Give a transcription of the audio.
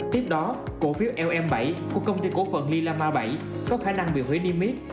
tiếp đó cổ phiếu lm bảy của công ty cổ phần lila ma bảy có khả năng bị hủy niêm yết